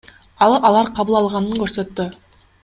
Ал алар кабыл алынганын көрсөттү.